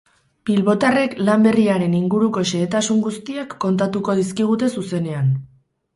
Bilbotarrek lan berriaren inguruko xehetasun guztiak kontatuko dizkigute zuzenean.